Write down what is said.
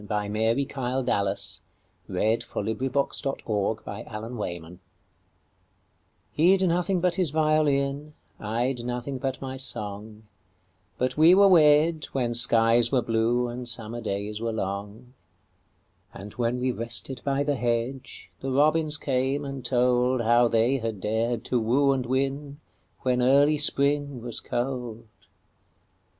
By Mary KyleDallas 1181 He 'd Nothing but His Violin HE 'D nothing but his violin,I 'd nothing but my song, But we were wed when skies were blueAnd summer days were long; And when we rested by the hedge, The robins came and toldHow they had dared to woo and win, When early Spring was cold.